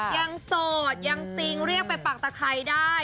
โสดยังซิงเรียกไปปากตะไครได้